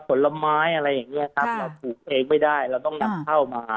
อันดื่อละไม้อะไรอย่างนี้ครับเราปลูกแอ้งไม่ได้เราต้องนับเข้ามา